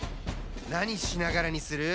なにしながらにする？